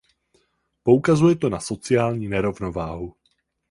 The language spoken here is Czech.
Poukazuje to na sociální nerovnováhu.